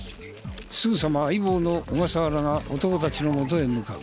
すぐさま相棒の小笠原が男たちのもとへ向かう。